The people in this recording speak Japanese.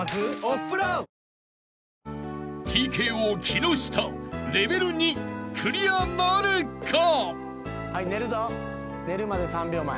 ［ＴＫＯ木下レベル２クリアなるか？］